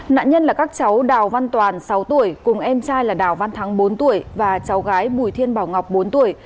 nạn nhân là các cháu đào văn toàn sáu tuổi cùng em trai là đào văn thắng bốn tuổi và cháu gái bùi thiên bảo ngọc bốn tuổi